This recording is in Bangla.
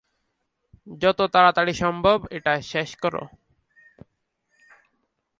যত তাড়াতাড়ি সম্ভব এটা শেষ কর।